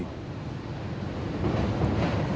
làn can hoen dỉ